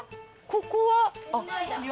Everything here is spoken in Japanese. ここは？